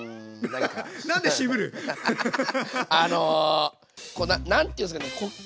あの何ていうんですかね